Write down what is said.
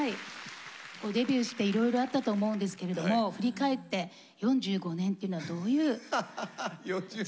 デビューしていろいろあったと思うんですけれども振り返って４５年っていうのはどういう人生だったでしょうか？